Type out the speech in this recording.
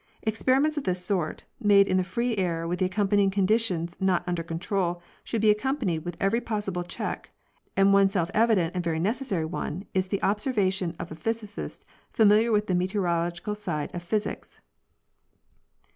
Experiments of this sort, made in the free air, with the accompanying conditions not under control, should be accom panied with every possible check ; and one self evident and very necessary one is the observation of a physicist familiar with the meteorologic side of physics.